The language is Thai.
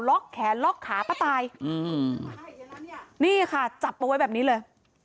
แขนล็อกขาป้าตายอืมนี่ค่ะจับเอาไว้แบบนี้เลย